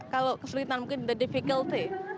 kalau kesulitan mungkin the difficulty